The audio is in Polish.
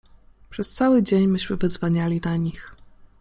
Przez cały dzień myśmy wydzwaniali na nich.